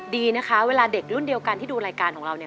ดีนะคะเวลาเด็กรุ่นเดียวกันที่ดูรายการของเราเนี่ย